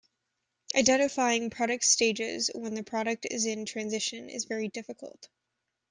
Identifying product stages when the product is in transition is very difficult.